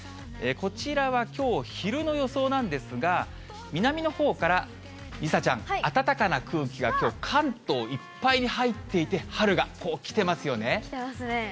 こちらは、きょう昼の予想なんですが、南のほうから梨紗ちゃん、暖かな空気が、きょう、関東いっぱいに入っていて、春が来てます来てますね。